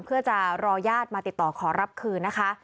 เพื่อจะรอญาติมาติดต่อขอรับคืนนะคะ